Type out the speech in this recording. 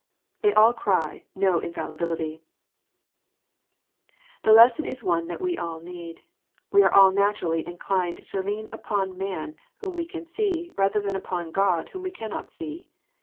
They all cry, No infallibility ! The lesson is one that we all need. We are all naturally inclined to lean upon man whom we can see, rather than upon God whom we cannot see.